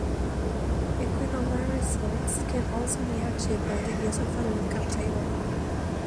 Equivalent results can also be achieved by the use of a look-up table.